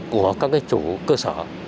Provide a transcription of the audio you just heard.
của các chủ cơ sở